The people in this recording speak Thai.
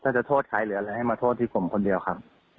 ถ้าจะโทษใครหรืออะไรให้มาโทษที่ผมคนเดียวครับ